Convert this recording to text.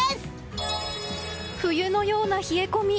冬のような冷え込み。